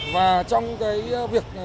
và trong việc